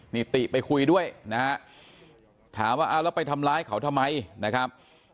นี่ติไปคุยด้วยนะฮะถามว่าเอาแล้วไปทำร้ายเขาทำไมนะครับ